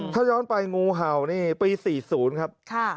ถ้าย้อนไปงูเห่านี่ปี๔๐ครับ